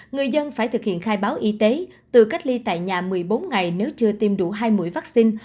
người dân phải thực hiện khai báo y tế từ cách ly tại nhà một mươi bốn ngày nếu chưa tiêm đủ hai mũi vaccine